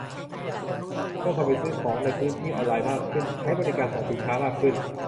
เมื่อคนไปซื้อของในพื้นที่ออนไลน์มากขึ้น ใช้บริการส่งสินค้ามากขึ้น